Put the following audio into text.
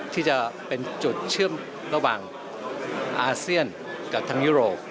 ที่จะเป็นจุดเชื่อมระหว่างอาเซียนกับทางยุโรป